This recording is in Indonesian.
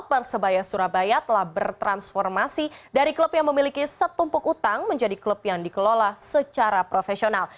persebaya surabaya telah bertransformasi dari klub yang memiliki setumpuk utang menjadi klub yang dikelola secara profesional